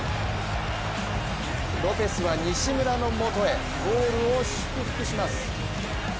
ロペスは西村のもとへゴールを祝福します。